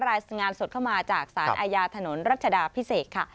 รายงานสดเข้ามาจากสารอาญาถนนรัชดาพิเศษค่ะ